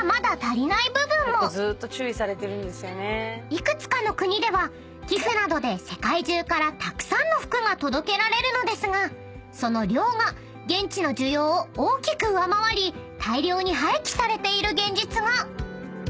［幾つかの国では寄付などで世界中からたくさんの服が届けられるのですがその量が現地の需要を大きく上回り大量に廃棄されている現実が］